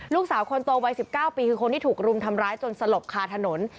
ลูกสาวคนโตวัย๑๙ปีคือคนที่ถูกรุมทำร้ายจนสลบคาถนน